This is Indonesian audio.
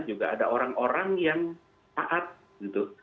juga ada orang orang yang taat gitu